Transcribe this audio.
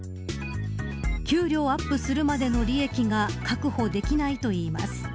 給料アップするまでの利益が確保できないといいます。